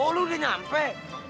oh lo udah nyampe